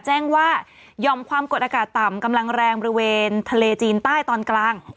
แจ้งว่ายอมความกดอากาศต่ำกำลังแรงบริเวณทะเลจีนใต้ตอนกลาง